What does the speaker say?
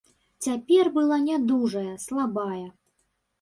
Цяпер была нядужая, слабая.